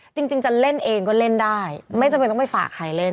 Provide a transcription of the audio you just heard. จริงจะเล่นเองก็เล่นได้ไม่จำเป็นต้องไปฝากใครเล่น